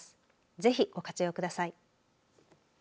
ぜひご活用ください。